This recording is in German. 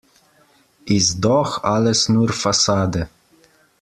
Ist doch alles nur Fassade.